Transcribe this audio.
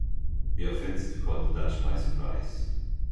The offensive caught the Dutch by surprise.